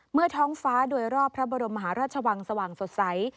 เมื่อท้องฟ้าโดยรอบพระบรมมหาราชวังสว่างสดใส